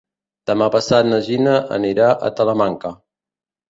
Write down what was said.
Demà passat na Gina anirà a Talamanca.